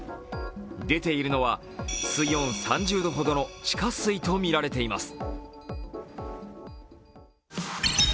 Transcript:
出ているのは水温３０度ほどの地下水とみられています。